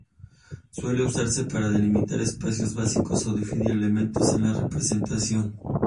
Suele usarse para delimitar espacios básicos o definir elementos en la representación.